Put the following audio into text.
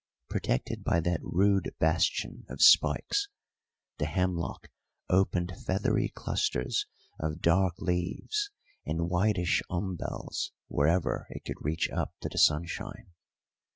Protected by that rude bastion of spikes, the hemlock opened feathery clusters of dark leaves and whitish umbels wherever it could reach up to the sunshine.